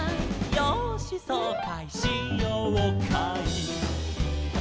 「よーしそうかいしようかい」